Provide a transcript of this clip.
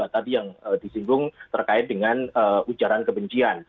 tadi yang disinggung terkait dengan ujaran kebencian